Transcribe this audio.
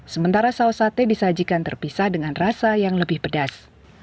sementara saus sate disajikan terpisah dengan rasa yang lebih pedas